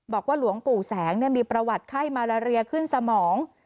บอกว่าหลวงปู่แสงมีประวัติไข้มาลาเรียขึ้นสมอง